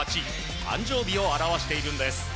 誕生日を表しているんです。